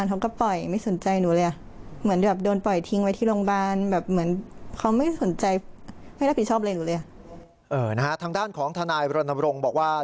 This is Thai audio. ทางด้านของทนายบรณรงค์บอกว่า